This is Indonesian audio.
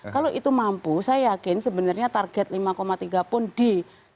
kalau itu mampu saya yakin sebenarnya target lima tiga pun di dua ribu dua puluh